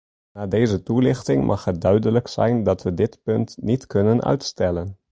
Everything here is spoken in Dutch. Na deze toelichting mag het duidelijk zijn dat we dit punt niet kunnen uitstellen.